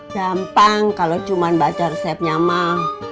gampang kalau cuma baca resep nyama